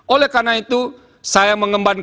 oleh karena itu saya mengemban